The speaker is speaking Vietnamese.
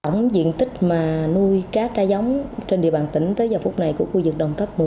nui cá cha giống trên địa bàn tỉnh tới giờ phút này của khu vực đồng tết một mươi